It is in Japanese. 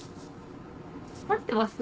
合ってます？